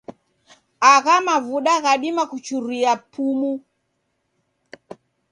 Agha mavuda ghadima kuchuria pumu.